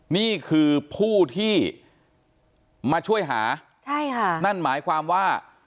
นี่คือผู้ที่มาช่วยหาใช่ค่ะนั่นหมายความว่า